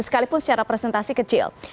sekalipun secara presentasi kecil